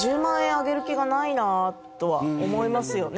あげる気がないなとは思いますよね。